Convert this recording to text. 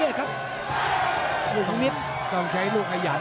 หรือว่าผู้สุดท้ายมีสิงคลอยวิทยาหมูสะพานใหม่